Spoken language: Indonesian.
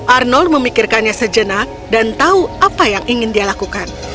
arnold memikirkannya sejenak dan tahu apa yang ingin dia lakukan